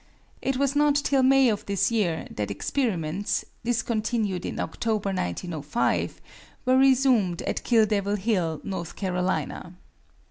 It was not till May of this year that experiments (discontinued in October, 1905) were resumed at Kill Devil Hill, North Carolina.